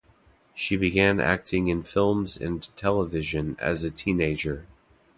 She began acting in films and television as a teenager.